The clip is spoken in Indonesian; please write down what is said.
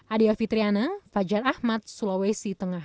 adia fitriana fajar ahmad sulawesi tengah